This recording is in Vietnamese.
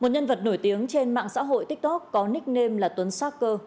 nhân vật nổi tiếng trên mạng xã hội tiktok có nickname là tuấn sarker